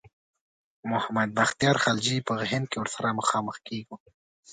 محمد بختیار خلجي په هند کې ورسره مخامخ کیږو.